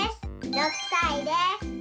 ６さいです。